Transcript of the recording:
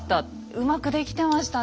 うまく出来てましたね